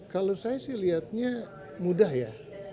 kalau saya sih lihatnya mudah ya